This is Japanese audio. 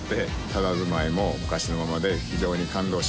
たたずまいも昔のままで非常に感動しました。